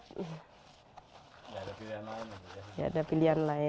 enggak ada pilihan lain